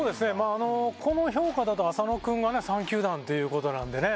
この評価だと浅野君が３球団ということなんでね。